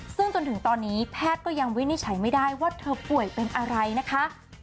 ซึ่งจนถึงตอนนี้แพทย์ก็ยังวินิจฉัยไม่ได้ว่าเธอป่วยเป็นอะไรนะคะ